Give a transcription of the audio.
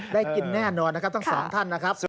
ได้กินแน่นอนนะครับทั้งสองท่านนะครับ